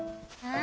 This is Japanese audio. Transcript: あ。